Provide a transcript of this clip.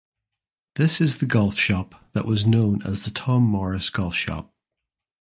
This is the golf shop that was known as the Tom Morris Golf Shop.